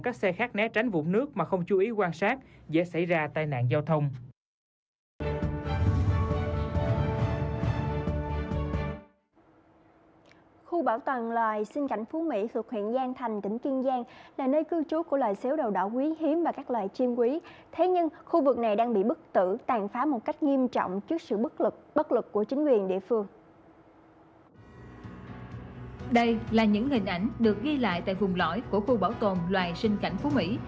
các bạn hãy đăng ký kênh để ủng hộ kênh của chúng mình nhé